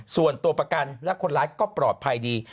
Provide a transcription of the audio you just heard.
ส่วนตัวประกันและคนร้ายก็ปลอดภัยดี